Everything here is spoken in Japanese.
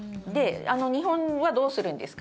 日本はどうするんですか？